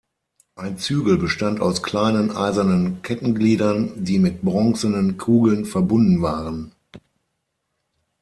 Ein Zügel bestand aus kleinen eisernen Kettengliedern, die mit bronzenen Kugeln verbunden waren.